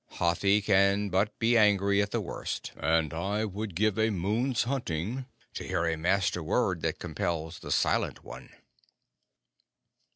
Hathi can but be angry at the worst, and I would give a moon's hunting to hear a Master word that compels the Silent One."